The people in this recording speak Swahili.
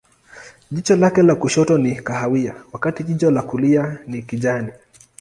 Jicho lake la kushoto ni kahawia, wakati jicho la kulia ni kijani.